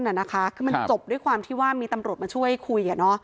คือมันจบด้วยความที่ว่ามีตำรวจมาช่วยคุย